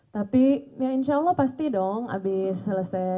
tapi ya insya allah pasti dong abis selesai